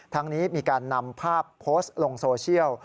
นี้มีการนำภาพโพสต์ลงโซเชียล